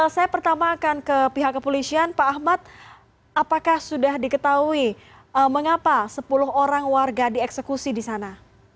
saya pertama akan ke pihak kepolisian pak ahmad apakah sudah diketahui mengapa sepuluh orang warga dieksekusi di sana